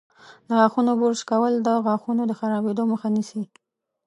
د غاښونو برش کول د غاښونو خرابیدو مخه نیسي.